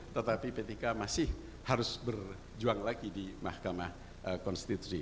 tetapi p tiga masih harus berjuang lagi di mahkamah konstitusi